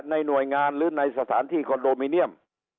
ในหน่วยงานหรือในสถานที่คอนโดมิเนียม